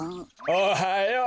おはよう。